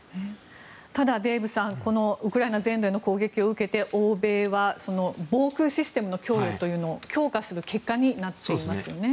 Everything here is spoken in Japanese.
ただ、デーブさんこのウクライナ全土への攻撃を受けて欧米は防空システムの供与というのを強化する結果になっていますね。